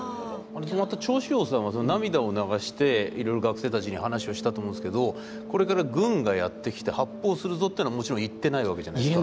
また趙紫陽さんは涙を流していろいろ学生たちに話をしたと思うんですけどこれから軍がやって来て発砲するぞっていうのはもちろん言ってないわけじゃないですか。